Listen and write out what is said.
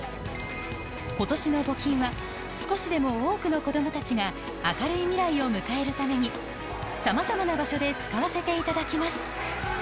今年の募金は少しでも多くの子どもたちが明るい未来を迎えるためにさまざまな場所で使わせていただきます